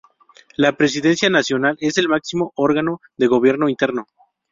La Presidencia Nacional es el máximo órgano de Gobierno interno.